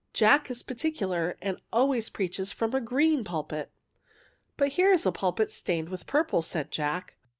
Jack is particular, and always preaches from a green pulpit.'' " But here is a pulpit stained with purple," said Jack.